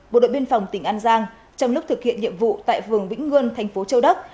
một đội biên phòng tỉnh an giang trong lúc thực hiện nhiệm vụ tại vườn vĩnh nguân thành phố châu đắc